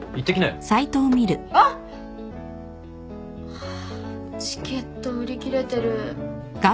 ハァチケット売り切れてる。